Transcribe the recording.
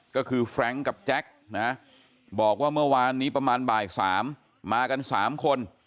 ก็คือแฟรงค์กับแจ็คนะบอกว่าเมื่อวานนี้ประมาณบ่าย๓มากัน๓คน